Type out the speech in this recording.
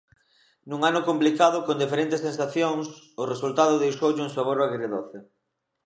Nun ano complicado con diferentes sensacións, o resultado deixoulle un sabor agridoce.